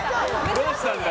どうしたんだ？